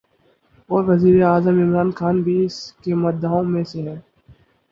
اور وزیراعظم عمران خان بھی اس کے مداحوں میں سے ہیں